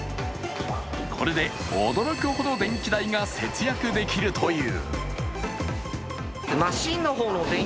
これで驚くほど電気代が節約できるという。